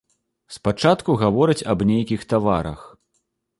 Спачатку гавораць аб нейкіх таварах.